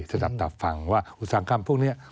สนับสับฝั่งว่าอุตสาหกรรมพวกเนี่ย